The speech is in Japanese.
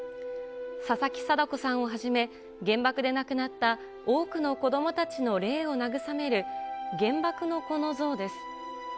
佐々木禎子さんをはじめ、原爆で亡くなった多くの子どもたちの霊を慰める、原爆の子の像です。